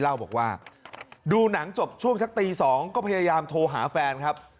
เล่าบอกว่าดูหนังจบช่วงสักตี๒ก็พยายามโทรหาแฟนครับ